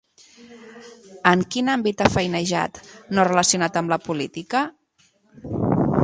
En quin àmbit ha feinejat, no relacionat amb la política?